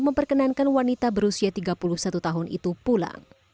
memperkenankan wanita berusia tiga puluh satu tahun itu pulang